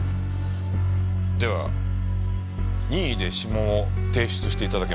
では任意で指紋を提出して頂けますか？